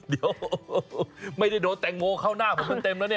เดี๋ยวไม่ได้โดนแตงโมเข้าหน้าเหมือนเต็มแล้วเนี่ย